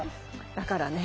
だからね